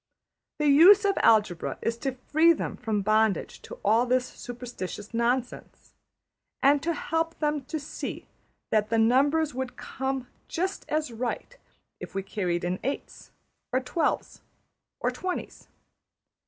The use of algebra is to free them from bondage to all this superstitious nonsense, and help them to see that the numbers would come just as right if we carried in eights or twelves or twenties.